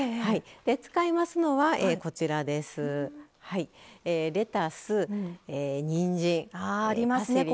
使いますのはレタスにんじん。